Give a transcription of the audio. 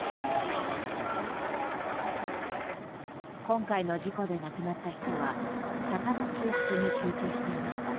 今回の事故で亡くなった人は坂の中腹に集中していました。